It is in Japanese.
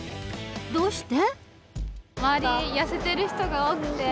どうして？